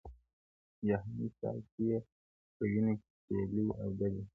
جهاني ستا چي یې په وینو کي شپېلۍ اودلې-